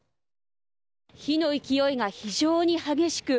火の勢いが非常に激しく